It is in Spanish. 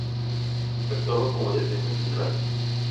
Actuaba como defensa central.